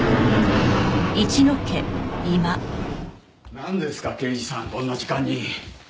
なんですか刑事さんこんな時間に。